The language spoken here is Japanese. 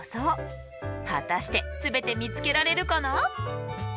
果たして全て見つけられるかな？